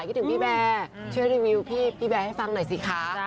คิดถึงพี่แบร์ช่วยรีวิวพี่แบร์ให้ฟังหน่อยสิคะ